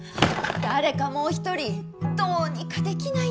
誰かもう一人どうにかできないんですか？